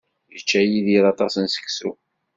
Yečča Yidir aṭas n seksu.